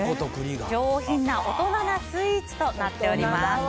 上品な大人なスイーツとなっております。